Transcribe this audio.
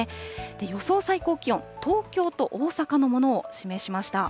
予想最高気温、東京と大阪のものを示しました。